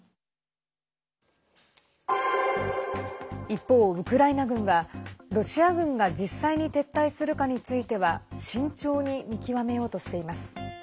一方、ウクライナ軍はロシア軍が実際に撤退するかについては慎重に見極めようとしています。